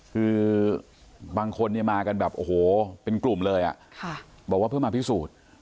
คือบางคนเนี่ยมากันแบบโอ้โหเป็นกลุ่มเลยบอกว่าเพื่อมาพิสูจน์